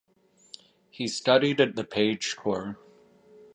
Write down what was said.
He studied at the Page Corps.